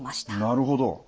なるほど。